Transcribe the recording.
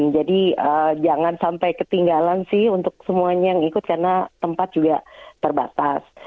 jadi jangan sampai ketinggalan sih untuk semuanya yang ikut karena tempat juga terbatas